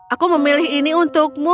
aku memilih ini untukmu